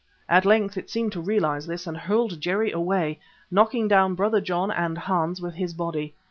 At length it seemed to realise this, and hurled Jerry away, knocking down Brother John and Hans with his body.